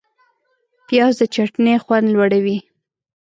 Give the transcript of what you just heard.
پیاز د چټني خوند لوړوي